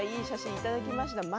いい写真をいただきました。